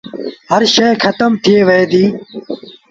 هر شئي کتم ٿئي وهي ديٚ